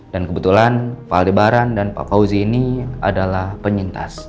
dan kebetulan pak aldebaran dan pak fauzi ini adalah penyintas